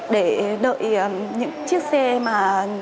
để đợi những chiếc xe mà